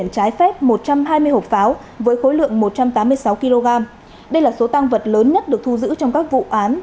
trái phép một trăm hai mươi hộp pháo với khối lượng một trăm tám mươi sáu kg đây là số tăng vật lớn nhất được thu giữ trong các vụ án